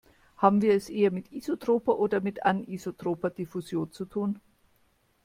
Haben wir es eher mit isotroper oder mit anisotroper Diffusion zu tun?